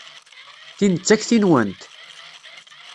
Tin d takti-nwent?